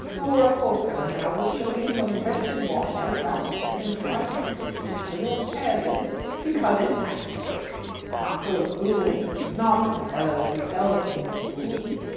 Your upholsterer now will show you some wretched washed out rag of a thing, and try to persuade you to cover your chairs with it, because it's æsthetic! Parcel of fools! Not that the fellows who sell the things are fools.